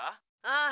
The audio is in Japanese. ああ。